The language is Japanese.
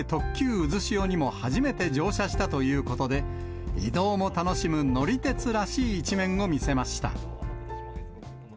うずしおにも初めて乗車したということで、移動も楽しむ乗り鉄らしい一面を見せました。